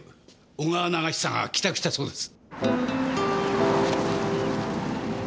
小川長久が帰宅したそうです。